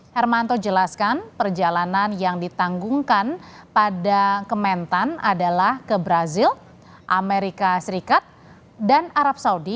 hermanto jelaskan perjalanan yang ditanggungkan pada kementan adalah ke brazil amerika serikat dan arab saudi